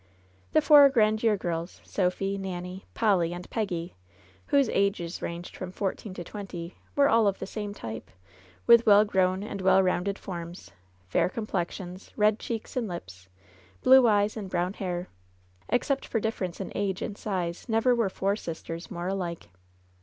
The four Grandiere girls — Sophy, Nanny, Polly and Peggy — whose ages ranged from fourteen to twenty, were all of the same type, with well grown and welt LOVE'S BITTEREST CUP 75 rounded forms, fair complexions, red cheeks and lips, bine eyes, and brown hair ; except for difference in age and size, never were four sisters more alike.